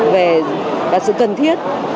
về sự cần thiết